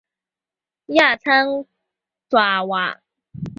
亚参爪哇。